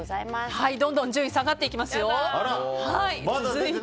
どんどん順位下がっていきますよ。